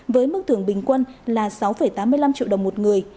với mức thưởng bình quân là sáu tám mươi năm triệu đồng một người